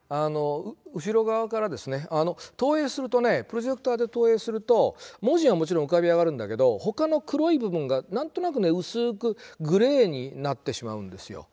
プロジェクターで投影すると文字はもちろん浮かび上がるんだけどほかの黒い部分が何となく薄くグレーになってしまうんですよ。